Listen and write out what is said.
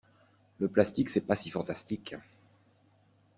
Le plastique c'est pas si fantastique.